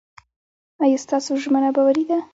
ایا ستاسو ژمنه باوري ده؟